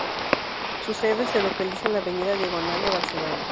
Su sede se localiza en la avenida Diagonal de Barcelona.